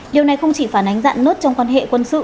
điều này không chỉ phản ánh dạn nốt trong quan hệ quân sự